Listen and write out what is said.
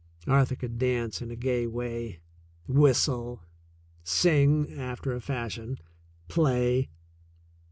Arthur could dance in a gay way, whistle, sing after a fashion, play.